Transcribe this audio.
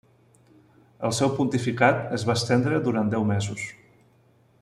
El seu pontificat es va estendre durant deu mesos.